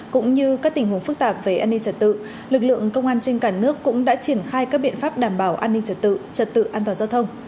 cũng như các tình huống phức tạp về an ninh trật tự lực lượng công an trên cả nước cũng đã triển khai các biện pháp đảm bảo an ninh trật tự trật tự an toàn giao thông